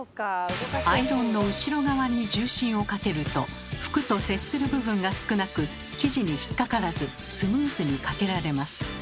アイロンの後ろ側に重心をかけると服と接する部分が少なく生地に引っ掛からずスムーズにかけられます。